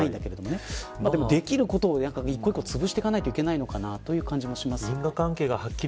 でも、できることを一個一個潰していかないといけないのかなという感じもします。